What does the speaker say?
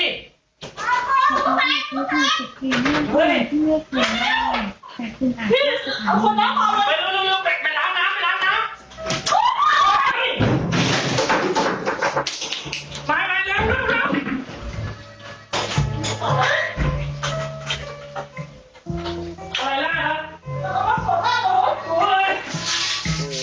พี่เอาคนรับของเลย